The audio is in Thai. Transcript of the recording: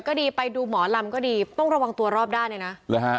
ก็ดีไปดูมอร่ำที่ก็ดีต้องระวังตัวรอบด้านเลยนะ